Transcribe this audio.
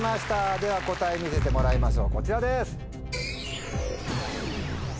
では答え見せてもらいましょうこちらです。